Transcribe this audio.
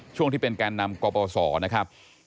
ช่วงที่เป็นการนำกวบอสรนะครับ